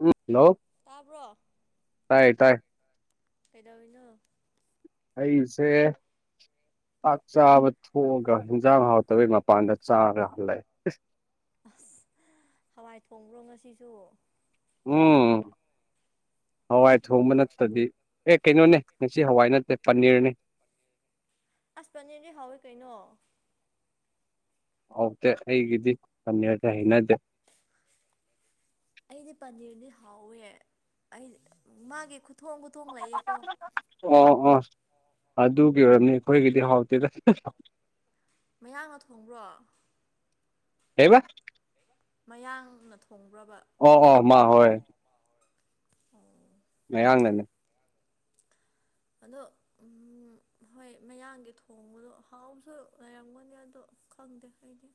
ꯎꯝ hello. ꯇꯥꯕ꯭ꯔꯣ꯫ ꯇꯥꯏ ꯇꯥꯏ꯫ ꯀꯩꯗꯧꯔꯤꯅꯣ꯫ ꯑꯩꯁꯦ꯫ ꯆꯥꯛ ꯆꯥꯕ ꯊꯣꯛꯑꯒ ꯍꯤꯟꯖꯥꯡ ꯍꯥꯎꯇꯕꯒꯤ ꯃꯄꯥꯟꯗ ꯆꯥꯔꯒ ꯍꯜꯂꯛꯑꯦ꯫ ꯑꯁ ꯍꯋꯥꯏ ꯊꯣꯡꯕ꯭ꯔꯣ ꯉꯁꯤꯁꯨ꯫ ꯎꯝ ꯍꯋꯥꯏ ꯊꯣꯡꯕ ꯅꯠꯇ꯭ꯔꯗꯤ꯫ ꯑꯦ ꯀꯩꯅꯣꯅꯦ ꯉꯁꯤ ꯍꯋꯥꯏ ꯅꯠꯇꯦ ꯄꯅꯤꯔꯅꯦ꯫ ꯑꯁ ꯄꯅꯤꯔꯗꯤ ꯍꯥꯎꯋꯤ ꯀꯩꯅꯣ꯫ ꯍꯥꯎꯇꯦ ꯑꯩꯒꯤꯗꯤ ꯄꯅꯤꯔꯁꯦ ꯍꯩꯅꯗꯦ꯫ [unintelligible] ꯑꯩꯗꯤ ꯄꯅꯤꯔꯗꯤ ꯍꯥꯎꯋꯦ ꯑꯩ ꯃꯥꯒꯤ ꯈꯨꯊꯣꯡ ꯈꯨꯊꯣꯡ ꯂꯩꯌꯦꯀꯣ꯫ ꯑꯣ ꯑꯣ ꯑꯗꯨꯒꯤ ꯑꯣꯏꯔꯝꯅꯤ ꯑꯈꯣꯏꯒꯤꯗꯤ ꯍꯥꯎꯇꯦꯗ꯫ ꯃꯌꯥꯡꯅ ꯊꯣꯡꯕ꯭ꯔꯣ꯫ ꯀꯩꯕ꯫ ꯃꯌꯥꯡꯅ ꯊꯣꯡꯕ꯭ꯔꯥꯕ꯫ ꯑꯣ ꯑꯣ ꯃꯥ ꯍꯣꯏ꯫ ꯑꯣ꯫ ꯃꯌꯥꯥꯡꯅꯅꯦ꯫ ꯑꯅꯨ ꯎꯝ ꯍꯣꯏ ꯃꯌꯥꯡꯒꯤ ꯊꯣꯡꯕꯗꯣ ꯍꯥꯎꯁꯨ ꯂꯩꯔꯝꯒꯅꯤ ꯑꯗꯣ ꯈꯪꯗꯦ ꯑꯩꯗꯤ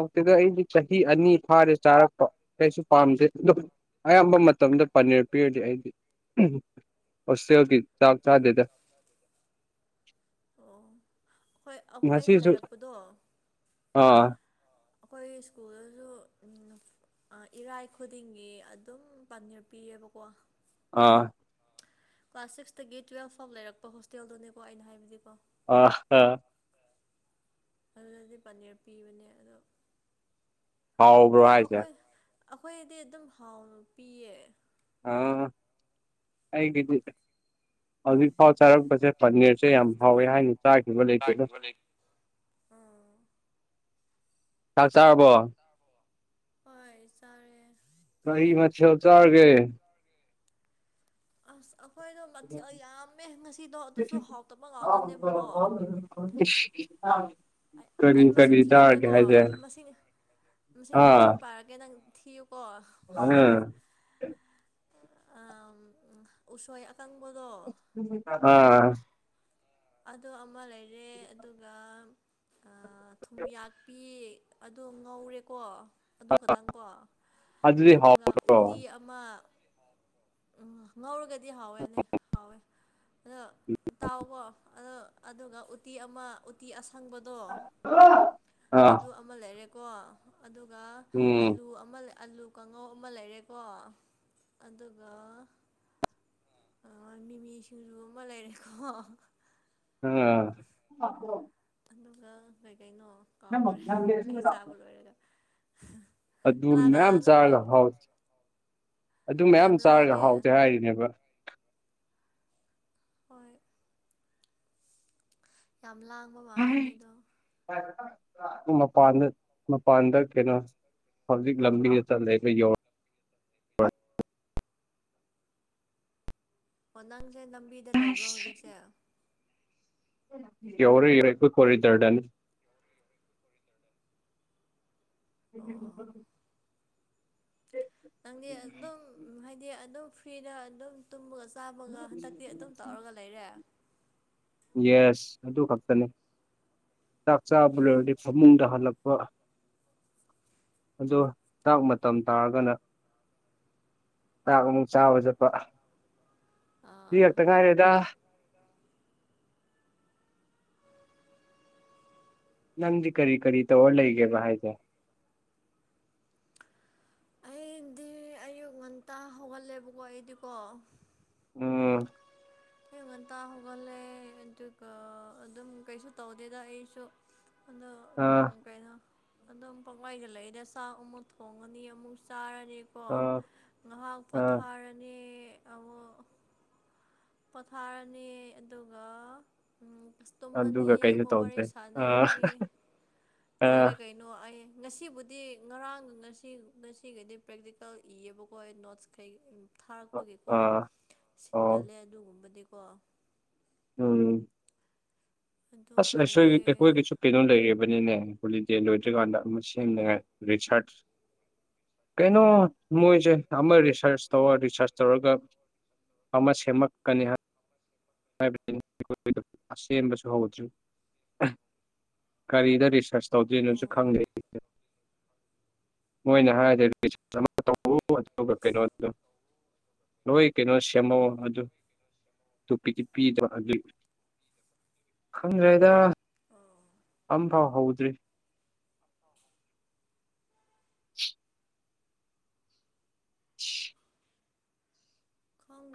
ꯍꯥꯎꯇꯦꯗꯥ ꯑꯩꯗꯤ ꯆꯍꯤ ꯑꯅꯤ ꯐꯥꯔꯦ ꯆꯥꯔꯛꯄ ꯀꯩꯁꯨ ꯄꯥꯝꯗꯦ ꯗꯨꯝ ꯑꯌꯥꯝꯕ ꯃꯇꯝꯗ ꯄꯅꯤꯔ ꯄꯤꯔꯗꯤ ꯑꯩꯗꯤ ꯎꯝ ꯍꯣꯁꯇꯦꯜꯒꯤ ꯆꯥꯛ ꯆꯥꯗꯦꯗ ꯑꯣ ꯍꯣꯏ ꯑꯍꯨ ꯑꯩꯒ ꯉꯁꯤꯁꯨ ꯂꯩꯔꯛꯄꯗꯣ ꯑꯥ ꯑꯈꯣꯏ ꯁ꯭ꯀꯨꯜꯗꯁꯨ ꯎꯝ ꯅꯨ ꯑ ꯏꯔꯥꯏ ꯈꯨꯗꯤꯡꯒꯤ ꯑꯗꯨꯝ ꯄꯅꯤꯔ ꯄꯤ ꯑꯕꯀꯣ ꯑꯥ ꯀ꯭ꯂꯥꯁ ꯁꯤꯛꯁꯇꯒꯤ ꯇꯨꯌꯦꯜꯐ ꯐꯥꯎ ꯂꯩꯔꯛꯄ ꯍꯣꯁꯇꯦꯜꯗꯨꯅꯤꯀꯣ ꯑꯩꯅ ꯍꯥꯏꯕꯗꯤꯀꯣ ꯑꯥ ꯍꯥ ꯑꯗꯨꯗꯗꯤ ꯄꯅꯤꯔ ꯄꯤꯕꯅꯦ ꯑꯗꯣ ꯍꯥꯎꯕ꯭ꯔꯣ ꯑꯗꯨꯝ ꯍꯥꯏꯁꯦ ꯑꯈꯣꯏ ꯑꯈꯣꯏꯗꯤ ꯑꯗꯨꯝ ꯍꯥꯎꯅ ꯄꯤꯌꯦ ꯑꯥ ꯑꯩꯒꯤꯗꯤ ꯍꯧꯖꯤꯛ ꯐꯥꯎ ꯆꯥꯔꯛꯄꯁꯦ ꯄꯅꯤꯔꯁꯦ ꯌꯥꯝ ꯍꯥꯎꯋꯦ ꯍꯥꯏꯅ ꯆꯥꯈꯤꯕ ꯂꯩꯇꯦꯗꯥ ꯑꯝ ꯆꯥꯛ ꯆꯥꯔꯕꯣ ꯆꯥꯔꯕꯣ ꯍꯣꯏ ꯆꯥꯔꯦ ꯀꯔꯤ ꯃꯊꯦꯜ ꯆꯥꯔꯒꯦ ꯑꯁ ꯑꯈꯣꯏꯗꯣ ꯃꯊꯦꯜ ꯌꯥꯝꯃꯦ ꯉꯁꯤꯗꯣ ꯑꯗꯨꯁꯨ ꯍꯥꯎꯇꯕ ꯉꯥꯛꯇꯅꯦꯕꯀꯣ [unintelligible] ꯑꯩ ꯀꯔꯤ ꯑꯩ ꯃꯁꯤꯡ ꯀꯔꯤ ꯆꯥꯔꯒꯦ ꯊꯤꯔꯛꯒꯦꯀꯣ ꯍꯥꯏꯁꯦ ꯃꯁꯤꯡ ꯃꯁꯤꯡ ꯃꯁꯤꯡ ꯑꯥ ꯄꯥꯔꯛ ꯀꯦ ꯅꯪ ꯊꯤꯌꯨꯀꯣ ꯎꯝ ꯑꯝ ꯎꯁꯣꯏ ꯑꯀꯪꯕꯗꯣ ꯑꯥ ꯑꯗꯨ ꯑꯃ ꯂꯩꯔꯦ ꯑꯗꯨꯒ ꯑ ꯊꯨꯝꯌꯥꯛꯄꯤ ꯑꯗꯣ ꯉꯧꯔꯦꯀꯣ ꯑꯗꯨ ꯈꯇꯪꯀꯣ ꯑꯗꯨꯗꯤ ꯑꯗꯨꯒ ꯍꯥꯎꯗ꯭ꯔꯣ ꯎꯇꯤ ꯑꯛ ꯃꯥ ꯎ ꯉꯧꯔꯒ ꯗꯤ ꯍꯥꯎꯋꯦꯅꯦ ꯍꯥꯎꯋꯦ ꯑꯗꯨ ꯇꯥꯎꯀꯣ ꯑꯗꯨ ꯑꯗꯨꯒ ꯎꯇꯤ ꯑꯃ ꯎꯇꯤ ꯑꯁꯪꯕꯗꯣ ꯑꯥ ꯑꯗꯨ ꯑꯝ ꯃ ꯂꯩꯔꯦꯀꯣ ꯑꯗꯨꯒ ꯎꯝ ꯑꯂꯨ ꯑꯃ ꯑꯂꯨ ꯀꯥꯡꯉꯧ ꯑꯃ ꯂꯩꯔꯦꯀꯣ ꯑꯗꯨꯒ ꯑ ꯃꯤꯃꯤ ꯁꯤꯡꯖꯨ ꯑꯃ ꯂꯩꯔꯦꯀꯣ ꯑꯥ ꯑꯗꯨꯒ ꯀꯩ ꯀꯩꯅꯣ ꯀꯥꯎꯒ꯭ꯔꯦ ꯑꯩ ꯆꯥꯕ ꯂꯣꯏꯔꯒ ꯑꯗꯨ ꯀꯅꯥ ꯃꯌꯥꯝ ꯆꯥꯔꯒ ꯀꯅꯥꯅꯣꯍꯣꯏꯠ ꯍꯥꯎ ꯑꯗꯨ ꯃꯌꯥꯝ ꯆꯥꯔꯒ ꯂꯥꯡꯉꯦ ꯍꯥꯎꯇꯦ ꯍꯥꯏꯔꯤꯅꯦꯕ ꯍꯣꯏ ꯌꯥꯝ ꯂꯥꯡꯕ ꯃꯥꯜꯂꯦ ꯅꯣꯏꯗꯣ ꯁꯣꯝ ꯃꯄꯥꯟꯗ ꯃꯄꯥꯟꯗ ꯀꯩꯅꯣ ꯍꯧꯖꯤꯛ ꯂꯝꯕꯤꯗ ꯆꯠ ꯂꯩꯕ ꯌꯣ ꯑꯣ ꯅꯪꯁꯦ ꯂꯝꯕꯤꯗ ꯂꯩꯕ꯭ꯔꯣ ꯍꯧꯖꯤꯛꯁꯦ ꯌꯧꯔꯦ ꯑꯩꯈꯣꯏꯀꯣ ꯔꯦꯟꯗꯔ ꯗꯅꯤ ꯎꯝ ꯅꯪꯗꯤ ꯑꯗꯨꯝ ꯍꯥꯏꯗꯤ ꯑꯗꯨꯝ ꯐ꯭ꯔꯤꯗ ꯑꯗꯨꯝ ꯇꯨꯝꯕꯒ ꯆꯥꯕꯒ ꯍꯟꯗꯛꯇꯤ ꯑꯗꯨꯝ ꯇꯧꯔꯒ ꯂꯩꯔꯦ ꯌꯦꯁ ꯑꯗꯨ ꯈꯛꯇꯅꯦ ꯆꯥꯛ ꯆꯥꯕ ꯂꯣꯏꯔꯗꯤ ꯐꯃꯨꯡꯗ ꯍꯜꯂꯛꯄ ꯑꯗꯣ ꯆꯥꯛ ꯃꯇꯝ ꯇꯥꯔꯒꯅ ꯊꯥꯛ ꯑꯃꯨꯛ ꯆꯥꯕ ꯆꯠꯄ ꯄꯤ ꯑꯥ ꯈꯛꯇ ꯉꯥꯏꯔꯦꯗ ꯅꯪꯗꯤ ꯀꯔꯤ ꯀꯔꯤ ꯇꯧꯔ ꯂꯩꯒꯦꯕ ꯍꯥꯏꯁꯦ ꯑꯩꯗꯤ ꯑꯌꯨꯛ ꯉꯟꯇꯥ ꯍꯧꯒꯠꯂꯦꯕꯀꯣ ꯑꯩꯗꯤꯀꯣ ꯎꯝ ꯑꯌꯨꯛ ꯉꯟꯇꯥ ꯍꯧꯒꯠꯂꯦ ꯑꯗꯨꯒ ꯑꯗꯨꯝ ꯀꯩꯁꯨ ꯇꯧꯗꯦꯗ ꯑꯩꯁꯨ ꯑꯗꯨ ꯎꯝ ꯑꯥ ꯀꯩꯅꯣ ꯑꯗꯨꯝ ꯄꯛꯋꯥꯏꯗ ꯂꯩꯗ ꯆꯥꯛ ꯑꯃꯨꯛ ꯊꯣꯡꯉꯅꯤ ꯑꯃꯨꯛ ꯆꯥꯔꯅꯤ ꯀꯣ ꯑꯥ ꯉꯍꯥꯛ ꯑꯥ ꯄꯣꯊꯥꯔꯅꯤ ꯑꯃꯨꯛ ꯄꯣꯊꯥꯔꯅꯤ ꯑꯗꯨꯒ ꯎꯝ ꯑꯗꯨꯒ ꯇꯨꯝꯃꯅꯤ ꯀꯩꯁꯨ ꯑꯃꯨꯛ ꯋꯥꯔꯤ ꯇꯧꯗ꯭ꯔꯦ ꯑꯥ ꯁꯥꯟꯅꯔꯅꯤ ꯑꯥ ꯂꯣꯏꯔꯦ ꯀꯩꯅꯣ ꯀꯩꯅꯣ ꯑꯩ ꯉꯁꯤꯕꯨꯗꯤ ꯉꯔꯥꯡ ꯉꯁꯤ ꯉꯁꯤꯒꯗꯤ ꯄ꯭ꯔꯦꯛꯇꯤꯀꯦꯜ ꯏꯌꯦꯕꯀꯣ ꯅꯣꯠꯁ ꯀꯩ ꯊꯥꯔꯛꯄꯒꯤꯀꯣ ꯑꯥ ꯑꯣ ꯁꯤꯡꯒꯠꯂꯦ ꯑꯗꯨꯒꯨꯝꯕꯗꯤꯀꯣ ꯎꯝ ꯑꯗꯨ ꯑꯁ ꯑꯁꯣꯏ ꯇꯧꯋꯦ ꯑꯩꯈꯣꯢꯒꯤꯁꯨ ꯀꯩꯅꯣ ꯂꯩꯔꯤꯕꯅꯤꯅꯦ ꯍꯣꯂꯤꯗꯦ ꯂꯣꯏꯗ꯭ꯔꯤꯀꯥꯟꯗ ꯑꯃ ꯁꯦꯝꯗꯉꯥꯏ ꯔꯤꯆꯥꯔꯠ ꯀꯩꯅꯣ ꯃꯣꯏꯁꯦ ꯑꯃ ꯔꯤꯁꯔꯁ ꯇꯋꯣ ꯔꯤꯁꯥꯔꯁ ꯇꯧꯔꯒ ꯑꯃ ꯁꯦꯝꯃꯛꯀꯅꯤ ꯍꯥꯏ ꯍꯥꯏꯕꯁꯤ ꯑꯩꯈꯣꯏ ꯑꯁꯦꯡꯕꯁꯨ ꯍꯧꯗ꯭ꯔꯤ ꯀꯔꯤꯗ ꯔꯤꯁꯔꯁ ꯇꯧꯗꯣꯏꯅꯁꯨ ꯑꯣ ꯈꯪꯗꯦ ꯃꯣꯏꯅ ꯍꯥꯏꯔꯗꯤ [unintelligible] ꯅꯣꯏ ꯀꯩꯅꯣ ꯁꯦꯝꯃꯣ ꯑꯗꯨ ꯇꯣꯄꯤꯛꯇꯤ ꯄꯤꯗꯕ ꯑꯗꯨꯢ ꯈꯪꯗ꯭ꯔꯦꯗ ꯑꯣ ꯑꯝꯐꯥꯎ ꯍꯧꯗ꯭ꯔꯤ [unintelligible] [unintelligible] ꯁꯤ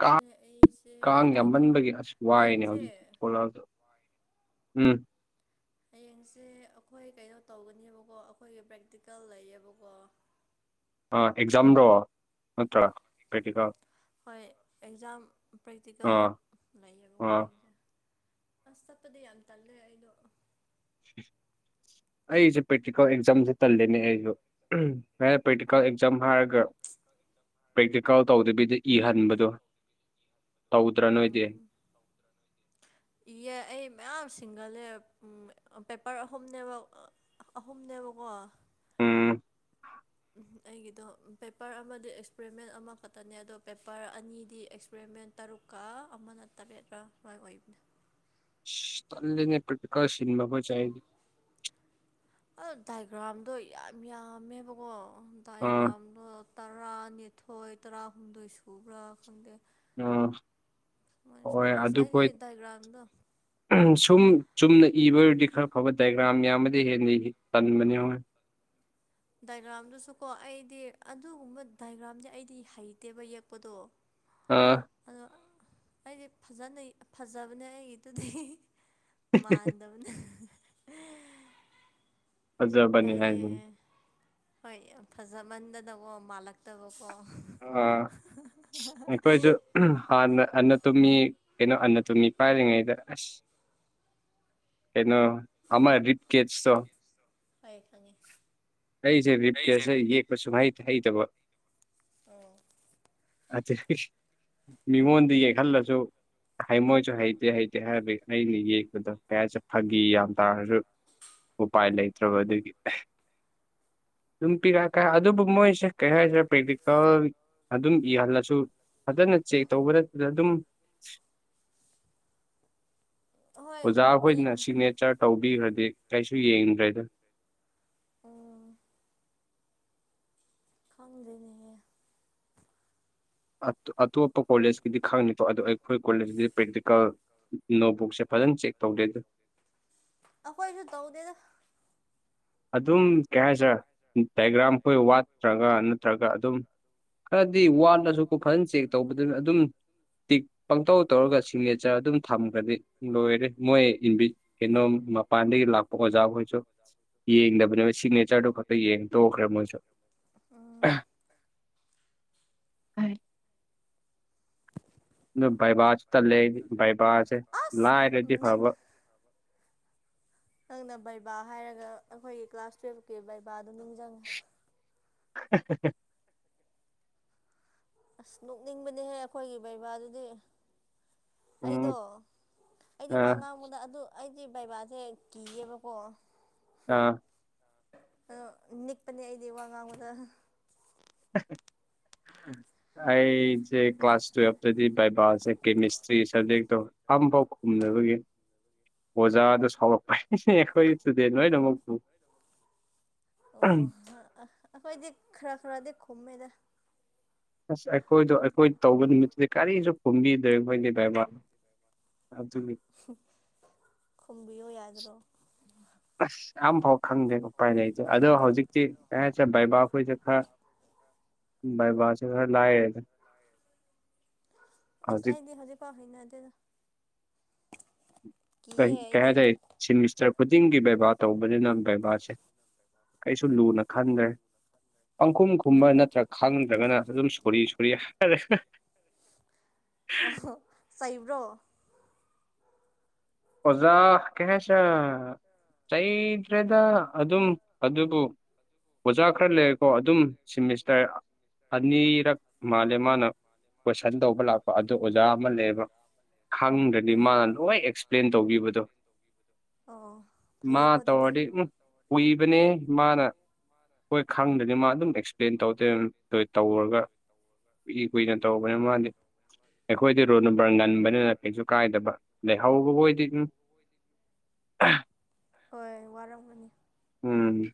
ꯀꯥꯡ ꯑꯩꯁꯦ ꯀꯥꯡ ꯀꯩꯗꯣ ꯌꯥꯝꯃꯟꯕꯒꯤ ꯑꯁ ꯋꯥꯏꯅꯦ ꯍꯌꯦꯡꯁꯦ ꯍꯧꯖꯤꯛ ꯊꯣꯛꯂꯛꯑꯒ ꯎꯝ ꯍꯌꯦꯡꯁꯦ ꯑꯈꯣꯏ ꯀꯩꯅꯣ ꯇꯧꯒꯅꯦꯕꯀꯣ ꯑꯈꯣꯏꯒꯤ ꯄ꯭ꯔꯦꯛꯇꯤꯀꯦꯜ ꯂꯩꯌꯦꯕꯀꯣ ꯑꯥ ꯑꯦꯛꯖꯥꯝꯔꯣ ꯅꯠꯇ꯭ꯔꯥ ꯄ꯭ꯔꯦꯛꯇꯤꯀꯦꯜ ꯍꯣꯏ ꯑꯦꯛꯖꯥꯝ ꯄ꯭ꯔꯦꯛꯇꯤꯀꯦꯜ ꯑꯥ ꯂꯩꯌꯦꯕ ꯑꯥ ꯍꯌꯦꯡꯁꯦ ꯑꯁ ꯆꯠꯄꯗꯤ ꯌꯥꯝ ꯇꯜꯂꯦ ꯑꯩꯗꯣ [unintelligible] ꯑꯩꯁꯦ ꯄ꯭ꯔꯦꯛꯇꯤꯀꯦꯜ ꯑꯦꯛꯖꯥꯝꯁꯦ ꯇꯜꯂꯤꯅꯦ ꯑꯩꯁꯨ ꯄ꯭ꯔꯦꯛꯇꯤꯀꯦꯜ ꯑꯦꯛꯖꯥꯝ ꯍꯥꯏꯔꯒ ꯒ ꯄ꯭ꯔꯦꯛꯇꯤꯀꯦꯜ ꯇꯧꯗꯕꯤꯗ ꯏꯍꯟꯕꯗꯣ ꯇꯧꯗ꯭ꯔ ꯅꯣꯏꯗꯤ ꯎꯝ ꯏꯌꯦ ꯑꯩ ꯃꯌꯥꯝ ꯁꯤꯡꯒꯜꯂꯦ ꯎꯝ ꯄꯦꯄꯔ ꯑꯍꯨꯝꯅꯦꯕ ꯑꯥ ꯑꯍꯨꯝꯅꯦꯕꯀꯣ ꯎꯝ ꯑꯩꯒꯤꯗꯣ ꯄꯦꯄꯔ ꯑꯃꯗꯤ ꯑꯦꯛꯁꯄꯦꯔꯤꯃꯦꯟ ꯑꯃꯈꯛꯇꯅꯦ ꯑꯗꯣ ꯄꯦꯄꯔ ꯑꯅꯤꯗꯤ ꯑꯦꯛꯁꯄꯦꯔꯤꯃꯦꯟ ꯇꯔꯨꯛꯀ ꯑꯃꯅ ꯇꯔꯦꯠꯔꯥ ꯃꯥꯏ ꯑꯣꯏꯕꯅꯤ ꯇꯟꯂꯤꯅꯦ ꯄ꯭ꯔꯦꯛꯇꯤꯀꯦꯜ ꯁꯤꯟꯕ ꯈꯣꯏꯁꯦ ꯑ ꯗꯥꯏꯒ꯭ꯔꯥꯝꯗꯣ ꯌꯥꯝ ꯌꯥꯝꯃꯦꯕꯀꯣ ꯑꯥ ꯗꯥꯏꯒ꯭ꯔꯥꯝꯗꯣ ꯇꯔꯥꯅꯤꯊꯣꯏ ꯇꯔꯥꯍꯨꯝꯗꯣꯏ ꯁꯨꯕ꯭ꯔꯥ ꯈꯪꯗꯦ ꯑꯥ ꯍꯣꯏ [unintelligible] ꯑꯩꯗꯤ ꯑꯗꯨꯈꯣꯏ ꯗꯥꯏꯒ꯭ꯔꯥꯝꯗꯣ ꯁꯨꯝ ꯆꯨꯝꯅ ꯏꯕ ꯑꯣꯏꯔꯗꯤ ꯈꯔ ꯐꯕ ꯗꯥꯏꯒ꯭ꯔꯥꯝ ꯌꯥꯝꯃꯗꯤ ꯍꯦꯟꯅ ꯇꯟꯕꯅꯤ ꯍꯣꯏ ꯗꯥꯏꯒ꯭ꯔꯥꯝꯗꯨꯁꯨ ꯀꯣ ꯑꯩꯗꯤ ꯑꯗꯨꯒꯨꯝꯕ ꯗꯥꯏꯒ꯭ꯔꯥꯝꯗꯤ ꯑꯩꯗꯤ ꯍꯩꯇꯦꯕ ꯌꯦꯛꯄꯗꯣ [unintelligible] ꯑꯥ ꯑꯗꯣ ꯑꯩꯗꯤ ꯐꯖꯅ ꯐꯖꯕꯅꯦ ꯑꯩꯒꯤꯗꯨꯗꯤ ꯃꯥꯟꯗꯕꯅꯦ ꯐꯖꯕꯅꯦ ꯑꯩꯗꯤ ꯍꯥꯏꯁꯤꯅꯤ ꯍꯣꯏ ꯌꯥꯝ ꯐꯖꯃꯟꯗꯅꯀꯣ ꯃꯥꯜꯂꯛ... ꯇꯕꯀꯣ ꯑꯥ ꯑꯩꯈꯣꯏꯁꯨ ꯍꯥꯟꯅ ꯑꯟꯅꯠꯇꯨꯝꯃꯤ ꯀꯩꯅꯣ ꯑꯟꯅꯇꯨꯝꯃꯤ ꯄꯥꯏꯔꯤꯉꯩꯗ ꯑꯁ ꯀꯩꯅꯣ ꯑꯃ ꯔꯤꯞ ꯀꯦꯁꯇꯣ ꯍꯣꯏ ꯈꯪꯉꯦ ꯑꯩꯁꯦ ꯔꯤꯞꯀꯦꯁꯁꯦ ꯌꯦꯛꯄ ꯁꯨꯝꯍꯩ ꯍꯩꯇꯕ ꯑꯣ [unintelligible] ꯃꯤꯉꯣꯟꯗ ꯌꯦꯛꯍꯜꯂꯁꯨ ꯃꯣꯏꯁꯨ ꯍꯩꯇꯦ ꯍꯩꯇꯦ ꯍꯥꯏꯕꯗꯤ ꯑꯩꯅ ꯌꯦꯛꯄꯗꯣ ꯀꯩꯌꯥꯁꯨ ꯐꯥꯒꯤ ꯌꯥꯝ ꯇꯥꯔꯁꯨ ꯎꯄꯥꯏ ꯂꯩꯇ꯭ꯔꯕ ꯑꯗꯨꯒꯤ ꯑꯗꯨꯝ ꯄꯤꯔꯛꯑꯀ ꯑꯗꯨꯕꯨ ꯃꯣꯏꯁꯦ ꯀꯩ ꯍꯥꯏꯁꯤꯔ ꯄ꯭ꯔꯦꯛꯇꯤꯀꯦꯜ ꯑꯗꯨꯝ ꯏꯍꯜꯂꯁꯨ ꯐꯖꯅ ꯆꯦꯛ ꯇꯧꯕ ꯅꯠꯇꯅ ꯑꯗꯨꯝ ꯍꯣꯏ ꯑꯣꯖꯥ ꯏ ꯑꯩꯈꯣꯏꯅ ꯁꯤꯛꯅꯦꯠ... ꯆꯔ ꯇꯧꯕꯤꯈ꯭ꯔꯗꯤ ꯀꯩꯁꯨ ꯌꯦꯡꯗ꯭ꯔꯦꯗ ꯑꯣ ꯈꯪꯗꯦꯅꯦꯍꯦ ꯑꯇꯣꯞꯄ ꯀꯣꯂꯦꯖꯀꯤꯗꯤ ꯈꯪꯗꯦꯀꯤ ꯑꯗꯣ ꯑꯩꯈꯣꯏ ꯀꯣꯂꯦꯖꯀꯤꯗꯤ ꯄ꯭ꯔꯦꯛꯇꯤꯀꯦꯜ ꯅꯣꯠ ꯕꯨꯛꯁꯦ ꯐꯖꯅ ꯆꯦꯛ ꯇꯧꯗꯦ ꯑꯩꯈꯣꯏꯁꯨ ꯇꯧꯗꯦꯗ ꯑꯗꯨꯝ ꯀꯩ ꯍꯥꯏꯁꯔꯦ ꯗꯥꯏꯒ꯭ꯔꯥꯝ ꯈꯣꯏ ꯋꯥꯠꯇ꯭ꯔꯒ ꯅꯠꯇ꯭ꯔꯒ ꯑꯗꯨꯝ ꯈꯔꯗꯤ ꯋꯥꯠꯂꯁꯨꯀꯣ ꯐꯖꯅ ꯆꯦꯛ ꯇꯧꯕꯗꯨꯅ ꯑꯗꯨꯝ ꯇꯤꯛ ꯄꯪꯇꯧ ꯇꯧꯔꯒ ꯁꯤꯒꯅꯦꯆꯔ ꯑꯗꯨꯝ ꯊꯝꯈ꯭ꯔꯗꯤ ꯂꯣꯏꯔꯦ ꯃꯣꯏ ꯏꯟꯕꯤ ꯀꯩꯅꯣ ꯃꯄꯥꯟꯗꯒꯤ ꯂꯥꯛꯄ ꯑꯣꯖꯥꯈꯣꯏꯁꯨ ꯆꯥ ꯌꯦꯡꯗꯕꯅꯦꯕ ꯁꯤꯒꯅꯦꯆꯔꯗꯨ ꯈꯛꯇ ꯌꯦꯡ ꯇꯣꯛꯈ꯭ꯔꯦ ꯃꯣꯏꯁꯨ ꯎꯝ ꯑꯗꯨ ꯕꯥꯏꯕꯥꯁꯨ ꯇꯜꯂꯦ ꯑꯩꯗꯤ ꯕꯥꯏꯕꯥꯁꯦ ꯑꯁ ꯂꯥꯏꯔꯗꯤ ꯅꯪ ꯐꯕ ꯅꯪꯅ ꯕꯩꯕꯥ ꯍꯥꯏꯔꯒ ꯑꯩꯈꯣꯏꯒꯤ ꯀ꯭ꯂꯥꯁ ꯇꯨꯋꯜꯐꯀꯤ ꯕꯩꯕꯥꯗꯨ ꯅꯤꯡꯁꯤꯡꯉꯦ [unintelligible] ꯑꯁ ꯅꯣꯛꯅꯤꯡꯕꯅꯦꯍꯦ ꯑꯩꯈꯣꯏꯒꯤ ꯕꯩꯕꯥꯗꯨꯗꯤ ꯎꯝ ꯑꯩꯗꯣ ꯑꯩꯗꯤ ꯋꯥ ꯑꯥ ꯉꯥꯡꯕꯗ ꯑꯗꯨ ꯑꯩꯗꯤ ꯕꯥꯏꯕꯥꯁꯦ ꯀꯤꯌꯦꯕꯀꯣ ꯑꯥ ꯅꯤꯛꯄꯅꯦ ꯑꯩꯗꯤ ꯋꯥ ꯉꯥꯡꯕꯗ ꯍ [inaudible] ꯑꯩꯁꯦ ꯀ꯭ꯂꯥꯁ ꯇꯨꯋꯦꯜꯚꯇꯗꯤ ꯕꯥꯏꯕꯁꯦ ꯀꯦꯃꯤꯁꯇ꯭ꯔꯤ ꯁꯕꯖꯦꯛꯇꯣ ꯑꯝꯐꯥꯎ ꯑꯣ ꯈꯨꯝꯅꯕꯒꯤ ꯑꯣꯖꯥꯗꯣ ꯁꯥꯎꯔꯛꯄꯅꯦ ꯑꯩꯈꯣꯏ ꯁ꯭ꯇꯨꯗꯦꯟ ꯂꯣꯏꯅꯃꯛꯇꯨ ꯑꯣ ꯑꯥ ꯑꯩꯈꯣꯏꯗꯤ ꯈꯔ ꯈꯔꯗꯤ ꯈꯨꯝꯃꯦꯗ ꯑꯁ ꯑꯩꯈꯣꯏꯗꯣ ꯑꯩꯈꯣꯏ ꯇꯧꯕ ꯅꯨꯃꯤꯠꯇꯨꯗꯤ ꯀꯔꯤꯁꯨ ꯈꯨꯝꯕꯤꯗ꯭ꯔꯦ ꯃꯣꯏꯒꯤ ꯕꯥꯏꯕꯥꯗꯣ ꯑꯗꯨꯒꯤ [unintelligible] ꯈꯨꯝꯕꯤꯌꯣ ꯌꯥꯗ꯭ꯔꯣ ꯑꯁ ꯑꯝ ꯐꯥꯎ ꯈꯪꯗꯦ ꯎꯄꯥꯏ ꯂꯩꯇꯦ ꯑꯗꯣ ꯍꯧꯖꯤꯛꯇꯤ [unintelligible] ꯕꯥꯏꯕꯥ ꯑꯩꯈꯣꯏꯁꯦ ꯈꯔ ꯕꯥꯏꯥꯕꯥꯁꯦ ꯈꯔ ꯂꯥꯏꯌꯦ ꯑꯁ ꯍꯧꯖꯤꯛ ꯑꯩꯗꯤ ꯍꯧꯖꯤꯛꯐꯥꯎ ꯍꯩꯅꯗꯦꯗ ꯀꯩ ꯀꯤꯌꯦ ꯀꯩ ꯑꯩꯗꯤ ꯍꯥꯏꯇꯥꯏꯌꯦ ꯁꯦꯃꯤꯁꯇꯔ ꯈꯨꯗꯤꯡꯒꯤ ꯕꯥꯏꯕꯥ ꯇꯧꯕꯅꯤꯅ ꯕꯥꯏꯕꯥꯁꯦ ꯀꯩꯁꯨ ꯂꯨꯅ ꯈꯟꯗ꯭ꯔꯦ ꯄꯪꯈꯨꯝ ꯈꯨꯝꯕ ꯍꯣꯏ ꯅꯠꯇ꯭ꯔꯒ ꯈꯪꯗ꯭ꯔꯒꯅ ꯑꯗꯨꯝ ꯁꯣꯔꯤ ꯁꯣꯔꯤ ꯍꯥꯏꯔꯦ ꯑꯣ ꯆꯩꯕ꯭ꯔꯣ ꯑꯣꯖꯥ ꯀꯩ ꯍꯥꯏꯁꯤꯔꯥ ꯆꯩꯗ꯭ꯔꯦꯗ ꯑꯗꯨꯝ ꯑꯗꯨꯕꯨ ꯑꯣꯖꯥ ꯈꯔ ꯂꯩꯔꯦꯀꯣ ꯑꯗꯨꯝ ꯁꯦꯃꯤꯁꯇꯔ ꯑꯅꯤꯔꯛ ꯃꯥꯜꯂꯦ ꯃꯥꯅ ꯀꯣꯏꯁꯟ ꯇꯧꯕ ꯂꯥꯛꯄ ꯑꯗꯨ ꯑꯣꯖꯥ ꯑꯃ ꯂꯩꯌꯦꯕ ꯈꯪꯗ꯭ꯔꯗꯤ ꯑꯥ ꯃꯥꯅ ꯂꯣꯏ ꯑꯦꯛꯁꯄ꯭ꯂꯦꯟ ꯇꯧꯕꯤꯕꯗꯣ ꯑꯣ ꯃꯥ ꯐꯩꯌꯦꯀꯣ ꯑꯗꯨꯗꯤ ꯇꯧꯔꯗꯤ ꯎꯝ ꯎꯏꯕꯅꯦꯍꯦ ꯃꯥꯅ ꯍꯣꯏ ꯈꯪꯗ꯭ꯔꯥꯗꯤ ꯃꯥ ꯑꯗꯨꯝ ꯑꯦꯛꯁꯄ꯭ꯂꯦꯟ ꯇꯧꯗꯣꯏ [unintelligible] ꯇꯧꯔꯒ ꯀꯨꯏ ꯀꯨꯏꯅ ꯇꯧꯕꯅꯦꯍꯦ ꯃꯥꯗꯤ ꯑꯩꯈꯣꯏꯗꯤ ꯔꯣꯜ ꯅꯝꯕꯔ ꯉꯟꯕꯅꯤꯅ ꯀꯩꯁꯨ ꯀꯥꯏꯗꯕ ꯂꯩꯍꯧ ꯄꯣꯍꯣꯏꯗꯤ ꯎꯝ ꯍꯣꯏ ꯋꯥꯔꯝꯒꯅꯤ ꯎꯝ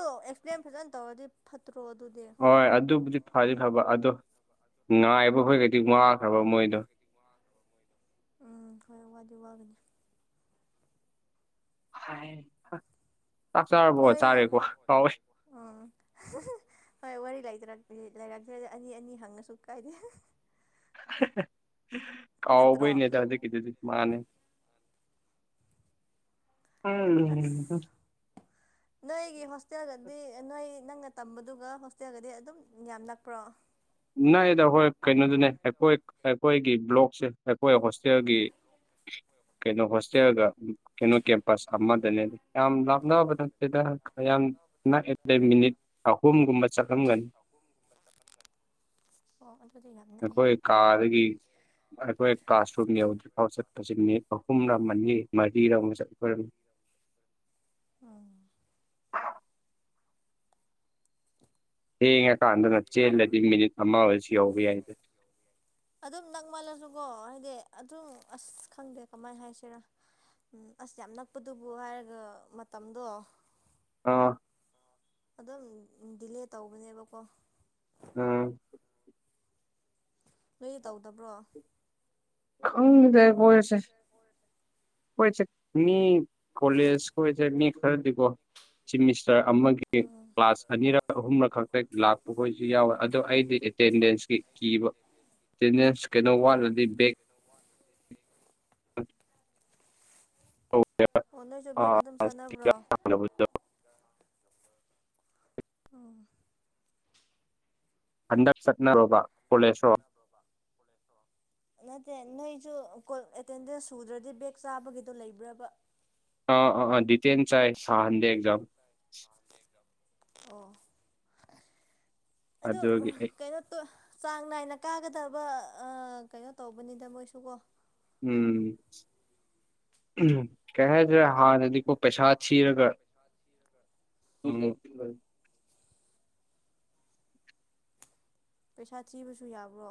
ꯑꯗꯣ ꯑꯦꯛꯁꯄ꯭ꯂꯦꯟ ꯐꯖꯅ ꯇꯧꯔꯗꯤ ꯐꯠꯇ꯭ꯔꯣ ꯑꯗꯨꯗꯤ ꯍꯣꯏ ꯑꯗꯨꯕꯨꯗꯤ ꯐꯗꯤ ꯐꯕ ꯑꯗꯣ ꯉꯥꯏꯕꯈꯣꯏꯒꯗꯤ ꯋꯥꯈ꯭ꯔꯕ ꯃꯣꯏꯗꯣ ꯎꯝ ꯍꯣꯏ ꯋꯥꯗꯤ ꯋꯥꯒꯅꯤ ꯆꯥꯛ ꯆꯥꯔꯕꯣ ꯆꯥꯔꯦꯀꯣ ꯀꯥꯎꯋꯦ ꯑꯣ [unintelligible] ꯍꯣꯏ ꯋꯥꯔꯤ ꯂꯩꯇ꯭ꯔꯥꯗꯤ ꯂꯩꯔꯛꯇ꯭ꯔꯗꯤ ꯑꯅꯤ ꯑꯅꯤ ꯍꯪꯉꯁꯨ ꯀꯥꯏꯗꯦ [unintelligible] ꯅꯠꯇ꯭ꯔꯣ ꯀꯥꯎꯕꯩꯅꯦꯗ ꯍꯧꯖꯤꯛ ꯀꯤꯗꯨꯗꯤ ꯃꯥꯟꯅꯦ ꯎꯝ ꯑꯁ [unintelligible] [inaudible] ꯅꯣꯏꯒꯤ ꯍꯣꯁꯇꯦꯜꯒꯗꯤ ꯅꯣꯏ ꯅꯪꯅ ꯇꯝꯕꯗꯨꯒ ꯍꯣꯁꯇꯦꯜꯒꯗꯤ ꯑꯗꯨꯝ ꯌꯥꯝ ꯅꯛꯄ꯭ꯔꯣ ꯅꯛꯑꯦꯗ ꯍꯣꯏ ꯀꯩꯅꯣꯗꯨꯅꯦ ꯑꯩꯈꯣꯏ ꯑꯩꯈꯣꯏꯒꯤ ꯕ꯭ꯂꯣꯛꯁꯦ ꯑꯩꯈꯣꯏ ꯍꯣꯁꯇꯦꯜꯒꯤ ꯀꯩꯅꯣ ꯍꯣꯁꯇꯦꯜꯒ ꯀꯩꯅꯣ ꯀꯦꯝ ꯕꯁ ꯑꯃꯗꯅꯦ ꯌꯥꯝ ꯂꯥꯞꯅꯕꯗꯤ ꯅꯠꯇꯦꯗ ꯌꯥꯝ ꯅꯛꯑꯦ ꯃꯤꯅꯤꯠ ꯑꯍꯨꯝꯒꯨꯝꯕ ꯆꯠꯂꯝꯒꯅꯤ ꯑꯍꯨꯝꯒꯨꯝꯕ‌ ꯆꯠꯂꯝꯒꯅꯤ ꯑꯣ ꯑꯗꯨꯗꯤ ꯌꯥꯝ ꯅꯛꯑꯦ ꯑꯩꯈꯣꯏ ꯀꯥꯗꯒꯤ ꯑꯩꯈꯣꯏ ꯀ꯭ꯂꯥꯁꯔꯨꯝ ꯌꯧꯗ꯭ꯔꯤꯐꯥꯎ ꯆꯠꯄꯁꯤ ꯃꯤꯅꯤꯠ ꯑꯥ ꯍꯨꯝꯂꯥ ꯃꯅꯤ ꯃꯔꯤꯔꯣꯝ ꯆꯠꯄ‌ ꯑꯣꯏꯔꯝꯅꯤ ꯎꯝ ꯊꯦꯡꯉꯀꯥꯟꯗꯅ ꯆꯦꯜꯂꯗꯤ ꯃꯤꯅꯤꯠ ꯑꯃ ꯑꯣꯏꯔꯁꯨ ꯌꯧꯕ ꯌꯥꯏꯗ ꯑꯗꯨꯝ ꯅꯛꯃꯜꯂꯁꯨꯀꯣ ꯍꯥꯏꯗꯤ ꯑꯗꯨꯝ ꯑꯁ ꯈꯪꯗꯦ ꯀꯃꯥꯏ ꯍꯥꯏꯁꯤꯔꯥ ꯎꯝ ꯑꯁ ꯌꯥꯝ ꯅꯛꯄꯗꯨꯕꯨ ꯍꯥꯏꯔꯒ ꯃꯇꯝꯗꯣ ꯑꯥ ꯑꯗꯨꯝ ꯗꯤꯂꯦꯠ ꯇꯧꯕꯅꯦꯕꯀꯣ ꯑꯥ ꯅꯣꯏꯗꯤ ꯇꯧꯗꯕ꯭ꯔꯣ ꯈꯪꯗ‌ꯦ ꯈ‌ꯣꯏꯁꯦ ꯑꯩꯈꯣꯏꯁꯦ ꯃꯤ ꯀꯣꯂꯦꯖ ꯀꯣꯏꯁꯦ ꯃꯤ ꯈꯔꯗꯤꯀꯣ ꯆꯤꯞ ꯃꯤꯁꯇꯔ ꯑꯃꯒꯤ ꯎꯝ ꯀ꯭ꯂꯥꯁ ꯑꯅꯤꯔꯛ ꯑꯍꯨꯝꯔꯛ ꯈꯛꯇ ꯂꯥꯛꯄꯈꯣꯏꯁꯨ ꯌꯥꯎꯋꯦ ꯑꯗꯣ ꯑꯩꯗꯤ ꯑꯦꯇꯦꯟꯗꯦꯟꯁꯀꯤ ꯀꯤꯕ ꯑꯦꯇꯦꯟꯗꯦꯟꯁ ꯀꯩꯅꯣ ꯑꯣ ꯋꯥꯠꯂꯗꯤ ꯕꯦꯛ [unintelligible] ꯑꯣ ꯅꯣꯏꯁꯨ ꯕꯦꯛ ꯑꯗꯨꯝ ꯆꯥꯅꯕ꯭ꯔꯣ [unintelligible] ꯑꯣ ꯍꯟꯗꯛ ꯆꯠꯅ ꯔꯣꯕꯥ ꯀꯣꯂꯦꯁꯔꫭ [unintelligible] ꯅꯠꯇꯦ ꯅꯣꯏꯁꯨ ꯀꫭ ꯑꯦꯇꯦꯟꯗꯦꯟꯁ ꯁꯨꯗ꯭ꯔꯗꯤ ꯕꯦꯛ ꯆꯥꯕꯒꯤꯗꯣ ꯂꯩꯕ꯭ꯔꯕ ꯑꯥ ꯑ ꯑ ꯗꯤꯇꯦꯟ ꯆꯥꯏ ꯁꯍꯥꯟꯗꯦ ꯑꯦꯖꯝ ꯁꯍꯟꯗꯦ ꯑꯦꯖꯥꯝ ꯑꯣ ꯑꯗꯨ ꯀꯩꯅꫭꯇꫭ ꯆꯥꯡ ꯅꯥꯏꯅ ꯀꯥꯒꯗꯕ ꯀꯩꯅꯣ ꯇꯧꯕꯅꯤꯗ ꯃꯣꯏꯁꯨꯀꯣ ꯎꯝ ꯎꯝ ꯀꯩ ꯍꯥꯏꯁꯤꯔ ꯍꯥꯟꯅꯗꯤ ꯀ‌ꯣ ꯄꯩꯁꯥ ꯊꯤꯔꯒ ꯃꯨꯛ ꯄꯩꯁꯥ ꯊꯤꯕꯁꯨ ꯌꯥꯕ꯭ꯔꯣ?